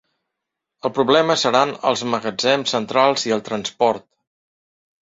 El problema seran els magatzems centrals i el transport.